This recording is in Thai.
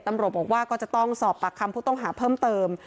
ตำรวจบอกว่าก็จะต้องสอบปากคำผู้ต้องหาเพิ่มเติม